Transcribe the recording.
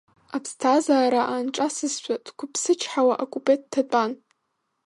Аԥсҭазаара аанҿасызшәа, дқәыԥсычҳауа акупе дҭатәан.